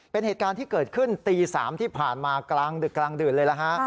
เป็นเหตุการณ์ที่เกิดขึ้นตี๐๓๐๐นที่ผ่านมากลางดึกเลยเลยฮะ